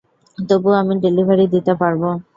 তবুও আমি ডেলিভারি দিতে পারব।